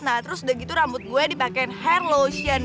nah terus udah gitu rambut gue dipakaiin hair lotion